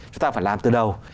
chúng ta phải làm từ đầu